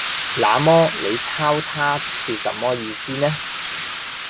“那麼，你鈔他是什麼意思呢？”